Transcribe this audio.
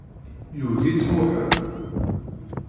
Yugi-tt Muḥend.